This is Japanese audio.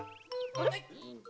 あれ？